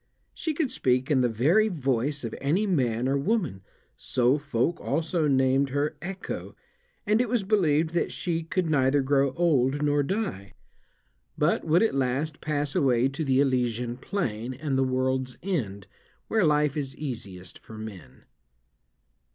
She could speak in the very voice of any man or woman, so folk also named her Echo, and it was believed that she could neither grow old nor die, but would at last pass away to the Elysian plain and the world's end, where life is easiest for men.